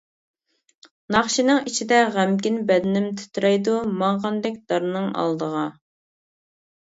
ناخشىنىڭ ئىچىدە غەمكىن بەدىنىم تىترەيدۇ ماڭغاندەك دارنىڭ ئالدىغا.